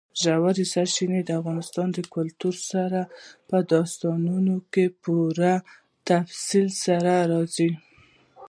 ژورې سرچینې د افغان کلتور په داستانونو کې په پوره تفصیل سره راځي.